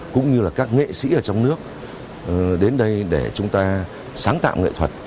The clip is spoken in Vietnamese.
cũng như là các nghệ sĩ ở trong nước đến đây để chúng ta sáng tạo nghệ thuật